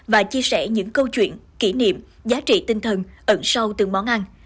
và chia sẻ những câu chuyện kỷ niệm giá trị tinh thần ẩn sâu từng món ăn